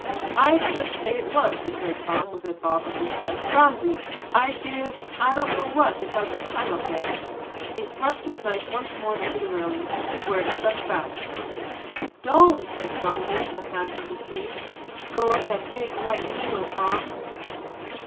"I should say it was," declared Tom, with a bob of his head. "Phronsie, I'd give, I don't know what, if I could climb up there." He thrust his knife once more into the railing, where it stuck fast. "Don't." begged Phronsie, her hand on his sleeve, "go up that big white needle, Tom."